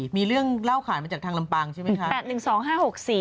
มีเรื่องเล่าขานมาจากทางลำปางใช่ไหมคะ